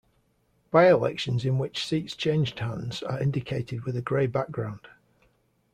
By-elections in which seats changed hands are indicated with a grey background.